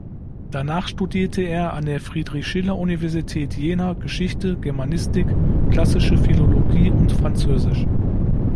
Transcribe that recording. Danach studierte er an der Friedrich-Schiller-Universität Jena Geschichte, Germanistik, klassische Philologie und Französisch.